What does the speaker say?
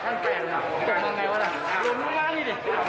นี่